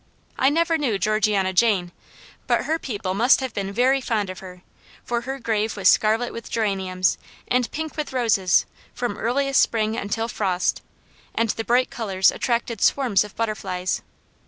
I never knew Georgiana Jane, but her people must have been very fond of her, for her grave was scarlet with geraniums, and pink with roses from earliest spring until frost, and the bright colours attracted swarms of butterflies.